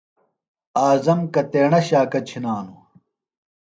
اعظم کتیݨہ شاکہ چِھنانُوۡ؟